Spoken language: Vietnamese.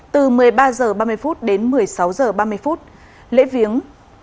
từ một mươi ba h ba mươi phút đến một mươi sáu h ba mươi phút lễ viếng